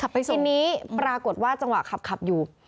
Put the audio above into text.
ทีนี้ปรากฏว่าจังหวะขับอยู่